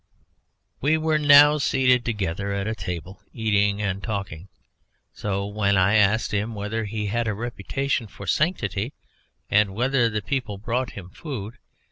We were now seated together at table eating and talking so, when I asked him whether he had a reputation for sanctity and whether the people brought him food.